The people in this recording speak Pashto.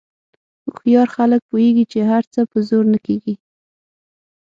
هوښیار خلک پوهېږي چې هر څه په زور نه کېږي.